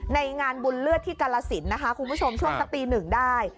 ในงานบุญเลือดที่กาลสินนะคะคุณผู้ชมช่วงสักตีหนึ่งได้